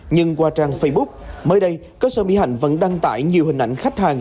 nhưng qua trang facebook mới đây cơ sở mỹ hạnh vẫn đăng tải nhiều hình ảnh khách hàng